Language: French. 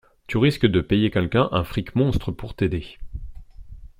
Tu risques de payer quelqu'un un fric monstre pour t'aider.